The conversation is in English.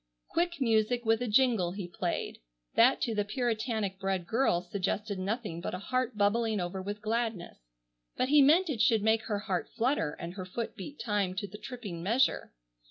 Quick music with a jingle he played, that to the puritanic bred girl suggested nothing but a heart bubbling over with gladness, but he meant it should make her heart flutter and her foot beat time to the tripping measure.